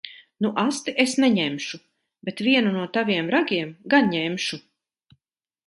Nu asti es neņemšu. Bet vienu no taviem ragiem gan ņemšu.